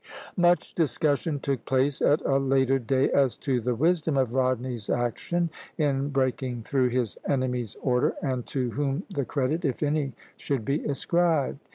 Much discussion took place at a later day as to the wisdom of Rodney's action in breaking through his enemy's order, and to whom the credit, if any, should be ascribed.